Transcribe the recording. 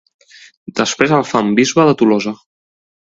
Després el fan bisbe de Tolosa.